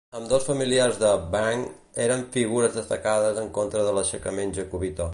Ambdós familiars de Byng eren figures destacades en contra de l'aixecament jacobita.